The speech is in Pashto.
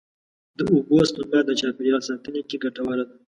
د اوبو سپما د چاپېریال ساتنې کې ګټوره ده.